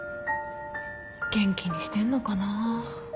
元気にしてんのかな。